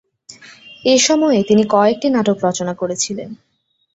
এই সময়ে তিনি কয়েকটি নাটক রচনা করেছিলেন।